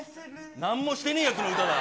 なんもしてねえやつの歌だ。